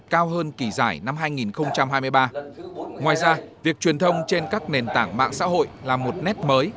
cao hơn kỳ giải năm hai nghìn hai mươi ba ngoài ra việc truyền thông trên các nền tảng mạng xã hội là một nét mới